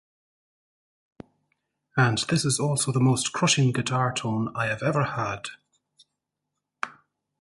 And this is also the most crushing guitar tone I have ever had.